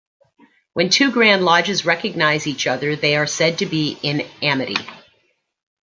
When two Grand Lodges recognize each other they are said to be "in Amity".